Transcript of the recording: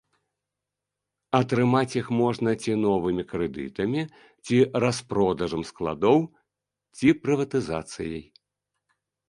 Атрымаць іх можна ці новымі крэдытамі, ці распродажам складоў, ці прыватызацыяй.